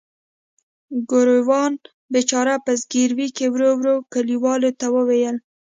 ګوروان بیچاره په زګیروي کې ورو ورو کلیوالو ته وویل.